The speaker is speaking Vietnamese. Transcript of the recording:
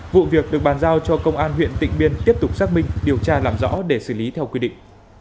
vụ việc được bàn giao cho công an huyện tịnh biên tiếp tục xác minh điều tra làm rõ để xử lý theo quy định